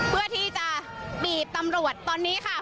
เพื่อที่จะบีบตำรวจตอนนี้ค่ะ